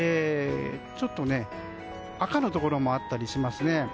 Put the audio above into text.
ちょっと赤のところもあったりしますね。